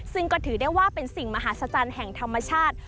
ซึ่งก็ถือได้ว่าเป็นสิ่งมหัศจรรย์แห่งธรรมชาติ